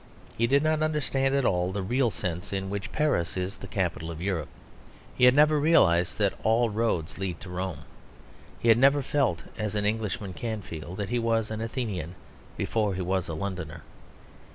He did not understand at all the real sense in which Paris is the capital of Europe. He had never realised that all roads lead to Rome. He had never felt (as an Englishman can feel) that he was an Athenian before he was a Londoner.